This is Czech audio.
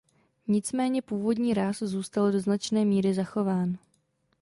Nicméně původní ráz zůstal do značné míry zachován.